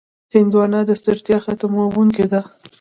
هندوانه د ستړیا ختموونکې ده.